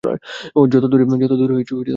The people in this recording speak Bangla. যতোদূরেই পালাস না কেন।